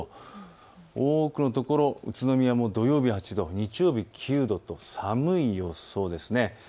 多くのところ宇都宮も土曜日は８度、日曜日９度と寒い予想です。